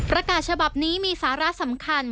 ประกาศฉบับนี้มีสาระสำคัญ